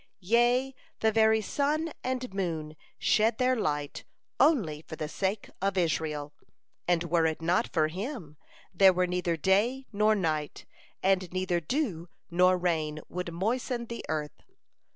Yea, the very sun and moon shed their light only for the sake of Israel, and were it not for him, there were neither day nor night, and neither dew nor rain would moisten the earth.